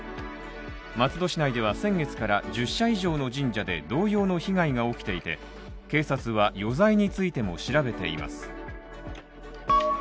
松戸市内では先月から１０社以上の神社で同様の被害が起きていて、警察は余罪についても調べています。